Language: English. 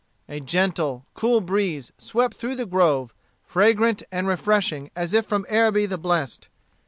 A gentle, cool breeze swept through the grove, fragrant and refreshing as if from Araby the blest.